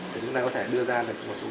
để chúng ta có thể đưa ra được một số